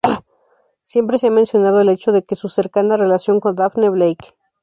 Siempre se ha mencionado el hecho de su cercana relación con Daphne Blake.